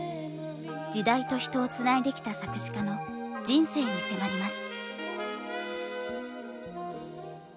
時代と人をつないできた作詞家の人生に迫ります。